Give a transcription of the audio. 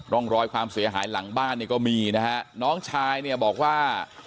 ร่องรอยความเสียหายหลังบ้านเนี่ยก็มีนะฮะน้องชายเนี่ยบอกว่า